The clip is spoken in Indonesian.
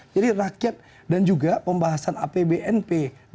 jadi rakyat dan juga pembahasan apbnp dua ribu lima belas